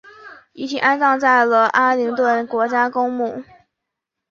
遗体安葬在了阿灵顿国家公墓